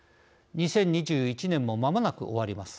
２０２１年も間もなく終わります。